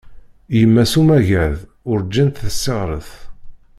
Yemma s umagad, urǧin tessiɣret.